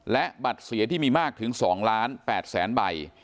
และบัตรเสียที่มีมากถึง๒ล้าน๘แสนใบ